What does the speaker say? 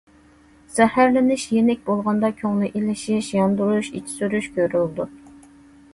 زەھەرلىنىش يېنىك بولغاندا كۆڭلى ئېلىشىش، ياندۇرۇش، ئىچى سۈرۈش كۆرۈلىدۇ.